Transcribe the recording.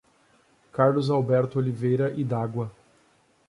Carlos Alberto Oliveira Idagua